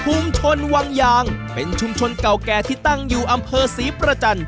ชนวังยางเป็นชุมชนเก่าแก่ที่ตั้งอยู่อำเภอศรีประจันท